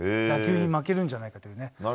野球に負けるんじゃないかというね。